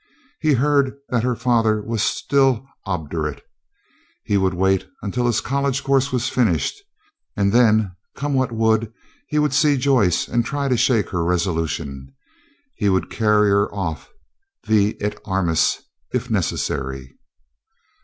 He heard that her father was still obdurate. He would wait until his college course was finished, and then, come what would, he would see Joyce and try to shake her resolution. He would carry her off vi et armis if necessary.